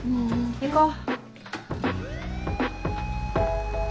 行こう。